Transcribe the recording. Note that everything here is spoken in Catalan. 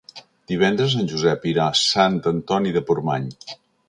Divendres en Josep irà a Sant Antoni de Portmany.